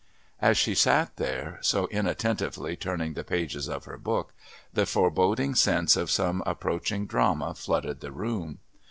As she sat there, so inattentively turning the pages of her book, the foreboding sense of some approaching drama flooded the room.